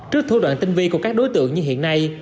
trước thu đoạn tinh vi của các đối tượng như hiện nay